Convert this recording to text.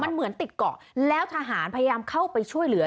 มันเหมือนติดเกาะแล้วทหารพยายามเข้าไปช่วยเหลือ